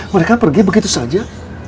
mereka pergi begitu saja